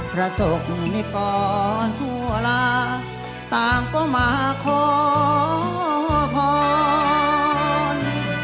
พระศกในกรทั่วล่าตามก็มาข้อพร